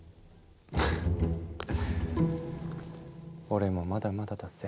俺もまだまだだぜ。